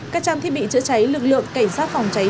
các trang thiết bị chữa cháy lực lượng cảnh sát phòng cháy